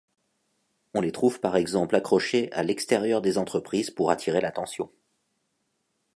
On les trouve par exemple accrochés à l'extérieur des entreprises pour attirer l'attention.